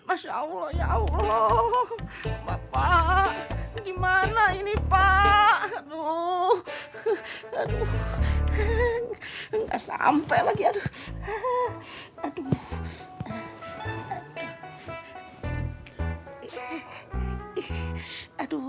masya allah ya allah mbak pak gimana ini pak aduh aduh enggak sampai lagi aduh aduh aduh